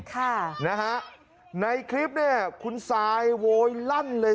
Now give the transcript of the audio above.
ค่ะนะฮะในคลิปเนี่ยคุณซายโวยลั่นเลย